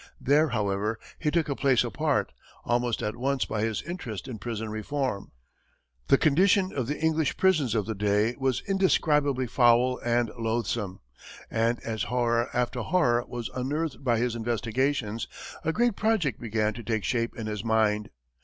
There, however, he took a place apart, almost at once, by his interest in prison reform. The condition of the English prisons of the day was indescribably foul and loathsome, and as horror after horror was unearthed by his investigations, a great project began to take shape in his mind.